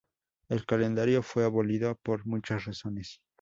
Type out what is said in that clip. El calendario fue abolido por muchas razones.